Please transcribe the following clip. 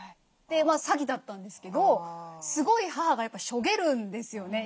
まあ詐欺だったんですけどすごい母がしょげるんですよね